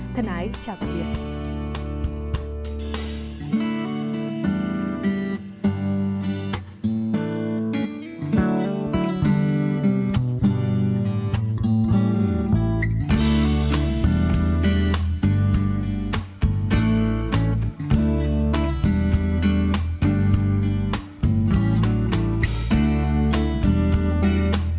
thân ái chào tạm biệt